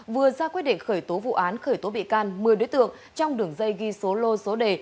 vừa ra quyết định khởi tố vụ án khởi tố bị can một mươi đối tượng trong đường dây ghi số lô số đề